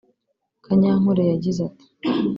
Kanyankore yagize ati